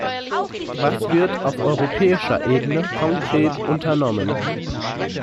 Was wird auf europäischer Ebene konkret unternommen?